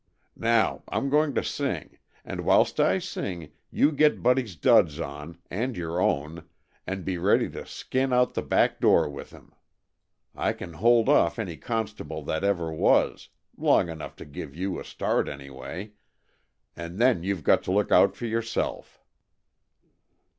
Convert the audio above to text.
Now, I'm going to sing, and whilst I sing you get Buddy's duds on, and your own, and be ready to skin out the back door with him. I can hold off any constable that ever was long enough to give you a start, anyway and then you've got to look out for yourself."